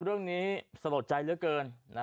เรื่องนี้สะหรับใจเหลือเกิน